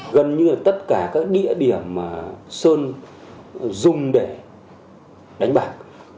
gần như là tất cả các địa điểm mà sơn dùng để đánh bạc